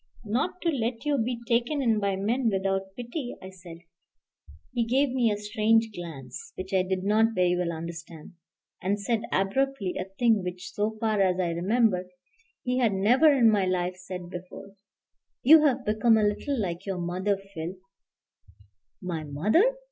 "Not to let you be taken in by men without pity," I said. He gave me a strange glance, which I did not very well understand, and said abruptly, a thing which, so far as I remember, he had never in my life said before, "You've become a little like your mother, Phil " "My mother!"